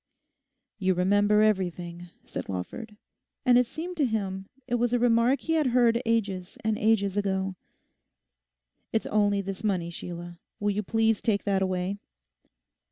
'You remember everything,' said Lawford, and it seemed to him it was a remark he had heard ages and ages ago. 'It's only this money, Sheila; will you please take that away?